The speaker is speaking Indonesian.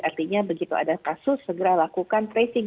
artinya begitu ada kasus segera lakukan tracing